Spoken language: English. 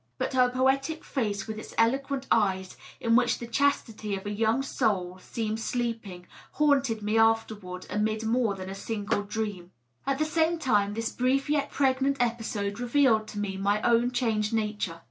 But her poetic face, with its eloquent eyes, in which the chastity of a young soul seemed sleeping, haunted me afterward amid more than a single dream. At the same time, this brief yet pregnant episode revealed to me my own changed nature.